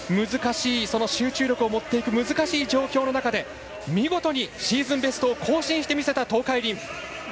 集中力を持っていくのが難しい状況で見事にシーズンベストを更新してみせた東海林。